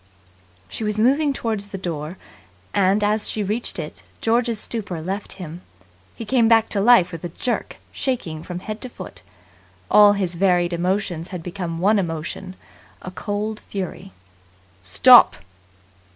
She was moving toward the door; and, as she reached it, George's stupor left him. He came back to life with a jerk, shaking from head to foot. All his varied emotions had become one emotion a cold fury. "Stop!"